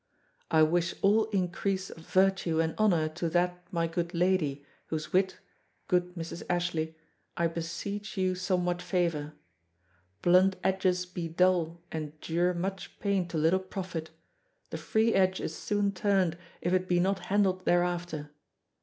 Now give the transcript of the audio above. I wish all increase of virtue and honour to that my good lady, whose wit, good Mrs. Ashley, I beeseech you somewhat favour. Blunt edges be dull and dure much pain to little profit; the free edge is soon turned if it be not handled thereafter.